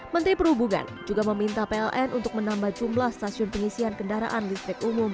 menteri perhubungan juga meminta pln untuk menambah jumlah stasiun pengisian kendaraan listrik umum